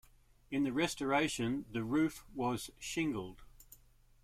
In the restoration, the roof was shingled.